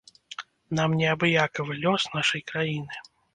Нам неабыякавы лёс нашай краіны.